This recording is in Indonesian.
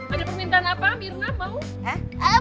ada permintaan apa mirna mau